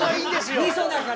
みそだから！